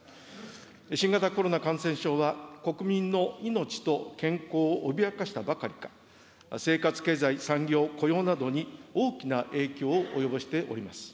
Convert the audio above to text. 新型コロナ感染症は、国民の命と健康を脅かしたばかりか、生活、経済、産業、雇用などに大きな影響を及ぼしております。